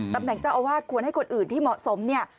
ตำแหน่งเจ้าอาวาสควรให้คนอื่นที่เหมาะสมเนี่ย